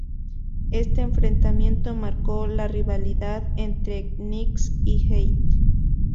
Este enfrentamiento marcó la rivalidad entre Knicks y Heat.